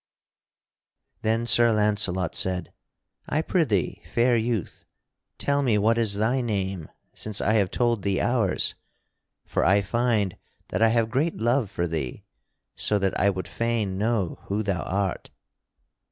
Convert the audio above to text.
Then Sir Launcelot said: "I prithee, fair youth, tell me what is thy name since I have told thee ours, for I find that I have great love for thee so that I would fain know who thou art."